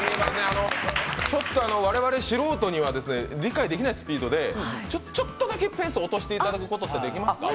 我々、素人には理解できないスピードで、ちょっとだけペースを落としていただくことってできますか？